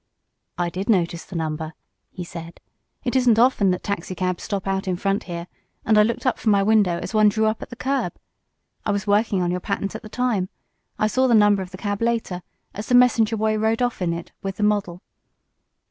"I did notice the number," he said. "It isn't often that taxicabs stop out in front here, and I looked from my window as one drew up at the curb. I was working on your patent at the time. I saw the number of the cab, later, as the messenger boy rode off in it with the model."